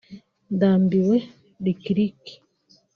“Ndambiwe Lick Lick